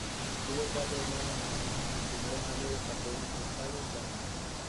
Tuvo cuatro hermanos más, y sus primeros años los pasó entre España y Francia.